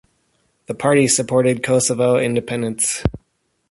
The party supported Kosovo independence.